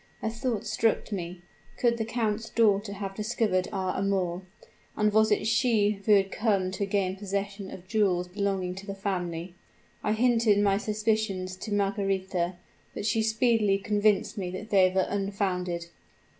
A thought struck me. Could the count's daughter have discovered our amour? and was it she who had come to gain possession of jewels belonging to the family? I hinted my suspicions to Margaretha; but she speedily convinced me that they were unfounded.